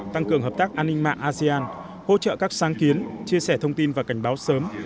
tăng cường hợp tác an ninh mạng asean hỗ trợ các sáng kiến chia sẻ thông tin và cảnh báo sớm